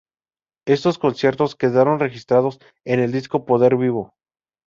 Estos conciertos quedaron registrados en el disco Poder vivo.